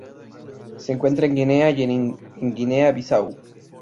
Se encuentra en Guinea y en Guinea-Bissau.